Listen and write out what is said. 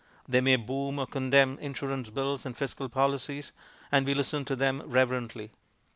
They may boom or condemn insurance bills and fiscal policies, and we listen to them reverently.